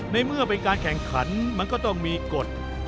ในเมื่อเป็นการแข่งขันมันก็ต้องมีกฎ